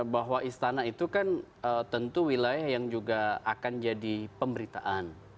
bahwa istana itu kan tentu wilayah yang juga akan jadi pemberitaan